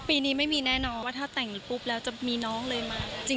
ปีนี้ไม่มีแน่นอนว่าถ้าแต่งปุ๊บแล้วจะมีน้องเลยมา